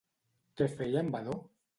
Què feia en Vadó?